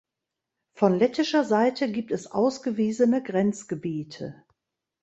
Von lettischer Seite gibt es ausgewiesene Grenzgebiete.